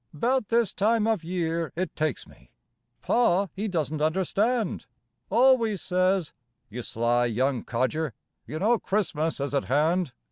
'Bout this time of year it takes me Pa, he doesn't understand, Always says: "You sly young codger, You know Christmas is at hand."